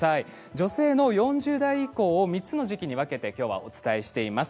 女性の４０代以降を３つの時期に分けて今日はお伝えしています。